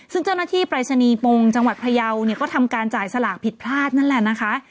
ซึ่งเจ้าหน้าที่ปรายศนีย์ปงจังหวัดพยาวเนี่ยก็ทำการจ่ายสลากผิดพลาดนั่นแหละนะคะ